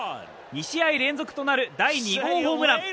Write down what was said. ２試合連続となる第２号ホームラン。